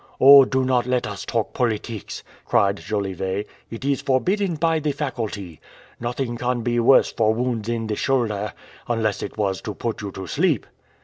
"Oh, do not let us talk politics," cried Jolivet. "It is forbidden by the faculty. Nothing can be worse for wounds in the shoulder unless it was to put you to sleep."